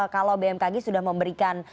kalau bmkg sudah memberikan